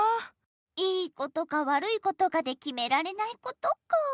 いいことかわるいことかできめられないことか。